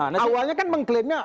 awalnya kan mengklaimnya